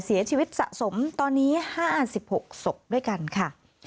เสียชีวิตสะสมตอนนี้๕๖ศพด้วยกันค่ะ